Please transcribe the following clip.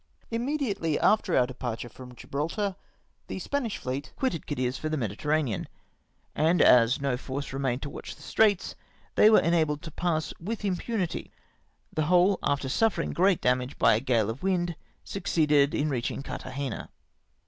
Immediately after our departure from Gibraltar, the Bpanish fleet quitted Cadiz for the Mediterranean, and as no force remained to watch the Straits, they were enabled to pass with impunity, the whole, after sufier ing great damage by a gale of wind, succeeded in reaching Carthagena.